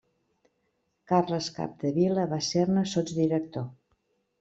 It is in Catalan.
Carles Capdevila va ser-ne sotsdirector.